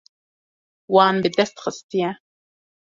Wan bi dest xistiye.